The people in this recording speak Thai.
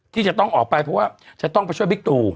ที่จะต้องออกไปเพราะว่าจะต้องไปช่วยบิ๊กตู